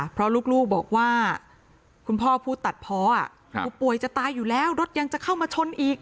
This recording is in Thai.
เพราะลูกบอกว่าคุณพ่อผู้ตัดพอผู้ป่วยจะตายอยู่แล้วรถยังจะเข้ามาชนอีก